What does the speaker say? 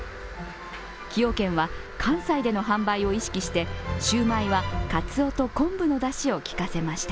崎陽軒は関西での販売を意識してシウマイはかつおと昆布のだしをきかせました。